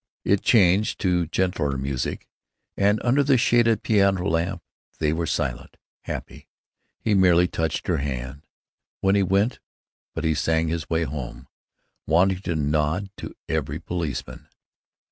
It changed to gentler music, and under the shaded piano lamp they were silent, happy. He merely touched her hand, when he went, but he sang his way home, wanting to nod to every policeman.